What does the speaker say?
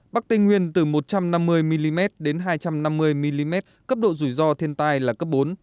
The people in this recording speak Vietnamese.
bắc tây nguyên từ một trăm năm mươi mm đến hai trăm năm mươi mm cấp độ rủi ro thiên tai là cấp bốn